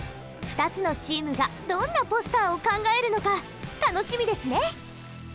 ２つのチームがどんなポスターを考えるのか楽しみですね！